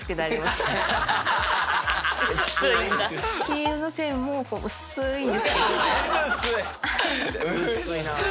金運の線も薄ーいんですけど。